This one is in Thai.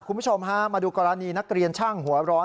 คุณผู้ชมฮะมาดูกรณีนักเรียนช่างหัวร้อน